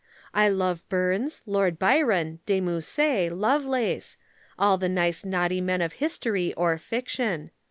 I love Burns, Lord Byron, De Musset, Lovelace all the nice naughty men of history or fiction.